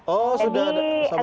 oh sudah sama keluarga